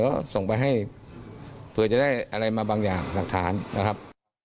ก็ส่งไปให้เผื่อจะได้อะไรมาบางอย่างหลักฐานนะครับ